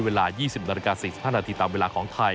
เวลา๒๐นาฬิกา๔๕นาทีตามเวลาของไทย